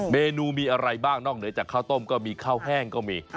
เมนูมีอะไรบ้างนอกเหนือจากข้าวต้มก็มีข้าวแห้งก็มี